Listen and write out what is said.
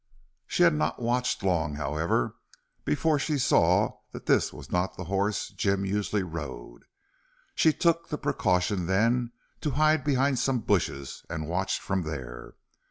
She had not watched long, however, before she saw that this was not the horse Jim usually rode. She took the precaution then to hide behind some bushes, and watched from there.